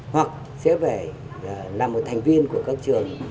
hoặc sẽ phải là một thành viên của các trường